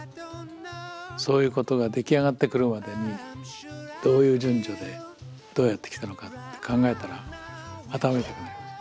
そういうことが出来上がってくるまでにどういう順序でどうやってきたのかって考えたら頭痛くなります。